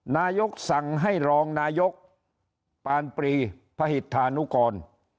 นายกสั่งให้รองนายกปานปรีพหิตธานุกร